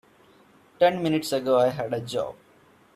Ten minutes ago I had a job.